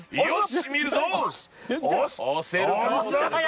よし！